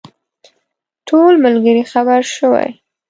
ټول ملګري خبر شوي.